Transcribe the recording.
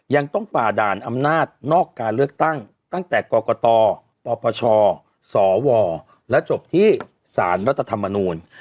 ยังต้องฝ่าด่านอำนาจนอกการเลือกตั้งตั้งแต่กรกตปปชสวและจบที่สารรัฐธรรมนูล